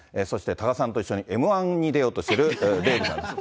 多賀さんと一緒にＭー１に出ようとしているデーブさんです。